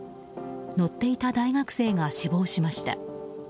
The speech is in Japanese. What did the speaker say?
乗っていた大学生が死亡しました。